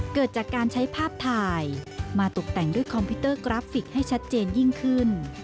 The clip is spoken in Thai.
เกิดจากการใช้ภาพถ่ายมาตกแต่งด้วยคอมพิวเตอร์กราฟิกให้ชัดเจนยิ่งขึ้น